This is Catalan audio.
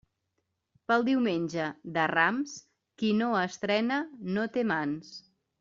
Pel diumenge de Rams, qui no estrena no té mans.